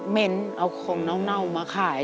เน้นเอาของเน่ามาขาย